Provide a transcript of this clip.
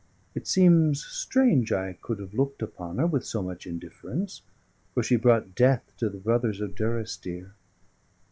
It seems strange I could have looked upon her with so much indifference, for she brought death to the brothers of Durrisdeer.